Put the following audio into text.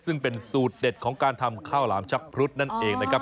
ซึ่งเป็นสูตรเด็ดของการทำข้าวหลามชักพรุษนั่นเองนะครับ